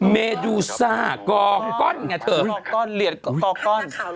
เมดูซ่ากอก้อนงานิแหละเธอกอก้อนเหลียดกอก้อน